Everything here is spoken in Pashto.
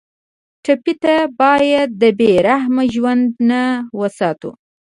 ټپي ته باید د بې رحمه ژوند نه وساتو.